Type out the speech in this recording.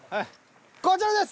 こちらです。